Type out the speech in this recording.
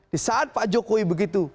di saat pak jokowi begitu